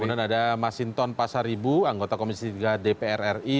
kemudian ada masinton pasaribu anggota komisi tiga dpr ri